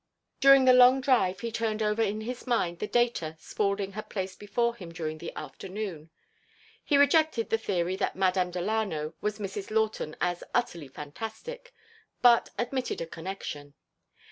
During the long drive he turned over in his mind the data Spaulding had placed before him during the afternoon. He rejected the theory that Madame Delano was Mrs. Lawton as utterly fantastic, but admitted a connection.